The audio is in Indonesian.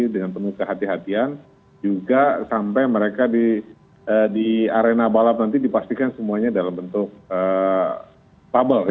jadi kita harus berhati hatian juga sampai mereka di arena balap nanti dipastikan semuanya dalam bentuk bubble